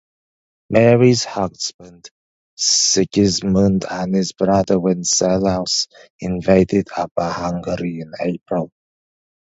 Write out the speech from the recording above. Mary's husband, Sigismund, and his brother, Wenceslaus, invaded Upper Hungary in April.